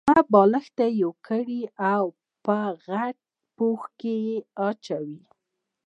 دوه بالښته يو کړئ او په غټ پوښ کې يې واچوئ.